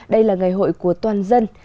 đây là ngày hội của toàn dân